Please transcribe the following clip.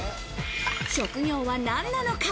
職業は何なのか？